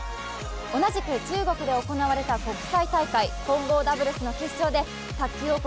同くじ中国で行われた国際大会混合ダブルスの決勝で卓球王国